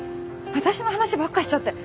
私の話ばっかしちゃって。